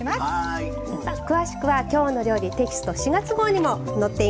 詳しくは「きょうの料理」テキスト４月号にも載っています。